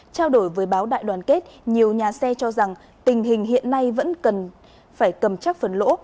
trao đổi với báo đại đoàn kết nhiều nhà xe cho rằng tình hình hiện nay vẫn cần phải cầm chắc phần lỗ